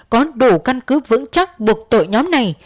có đủ căn cứ vững chắc buộc tội nhóm này